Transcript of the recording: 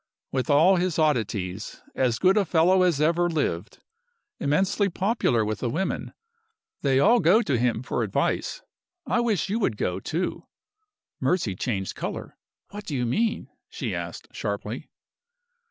With all his oddities, as good a fellow as ever lived. Immensely popular with the women. They all go to him for advice. I wish you would go, too." Mercy changed color. "What do you mean?" she asked, sharply.